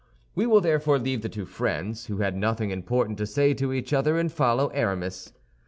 We will therefore leave the two friends, who had nothing important to say to each other, and follow Aramis.